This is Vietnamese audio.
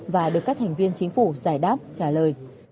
và được các thành viên chính phủ giải đáp trả lời